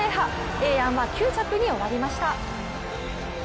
エエヤンは９着に終わりました。